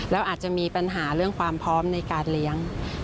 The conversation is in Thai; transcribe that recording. แล้วอาจจะมีปัญหาเรื่องความพร้อมในการเลี้ยง